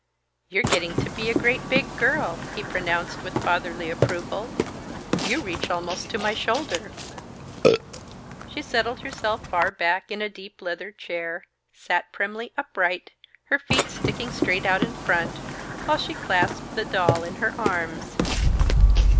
"You're getting to be a great big girl!" he pronounced with fatherly approval. "You reach almost to my shoulder." She settled herself far back in a deep leather chair, and sat primly upright, her feet sticking straight out in front, while she clasped the doll in her arms.